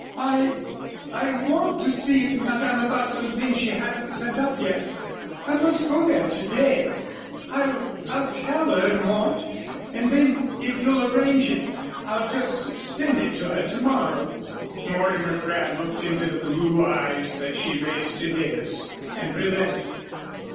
"I I want to see Madame about some things she hasn't sent up yet I must go there to day. I'll I'll tell her, Mort, and then if you'll arrange it, I'll just send it to her to morrow." Mortimer Crabb looked into the blue eyes that she raised to his and relented.